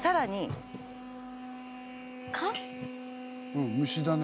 うん虫だね。